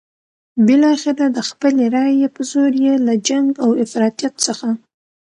بالاخره د خپلې رايې په زور یې له جنګ او افراطیت څخه.